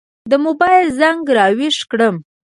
د موبایل زنګ را وېښ کړم.